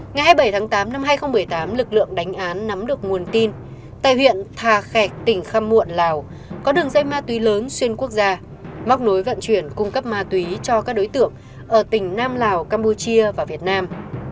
ngày hai mươi bảy tháng tám năm hai nghìn một mươi tám lực lượng đánh án nắm được nguồn tin tại huyện thà khẹt tỉnh khăm muộn lào có đường dây ma túy lớn xuyên quốc gia móc nối vận chuyển cung cấp ma túy cho các đối tượng ở tỉnh nam lào campuchia và việt nam